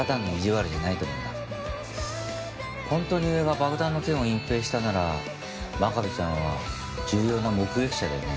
本当に上が爆弾の件を隠蔽したなら真壁ちゃんは重要な目撃者だよね。